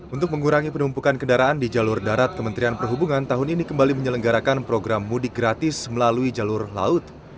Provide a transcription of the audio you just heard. untuk mengurangi penumpukan kendaraan di jalur darat kementerian perhubungan tahun ini kembali menyelenggarakan program mudik gratis melalui jalur laut